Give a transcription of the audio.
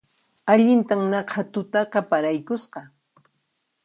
Allintan naqha tutaqa paraykusqa